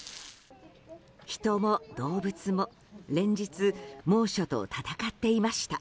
人も動物も連日猛暑と闘っていました。